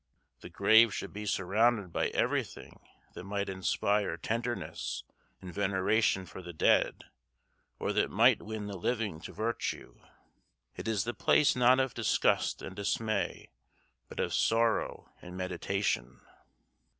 The grave should be surrounded by everything that might inspire tenderness and veneration for the dead, or that might win the living to virtue. It is the place not of disgust and dismay, but of sorrow and meditation.